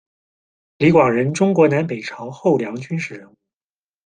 李广人，中国南北朝后梁军事人物。